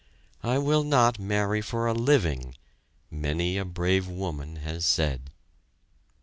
"I will not marry for a living," many a brave woman has said.